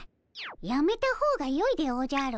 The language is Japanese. やめた方がよいでおじゃる。